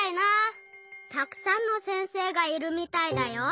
たくさんの先生がいるみたいだよ。